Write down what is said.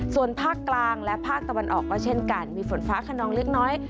ส่วนภาคกลางและภาคตะวันออกก็เช่นกันมีฝนฟ้าขนองเล็กน้อย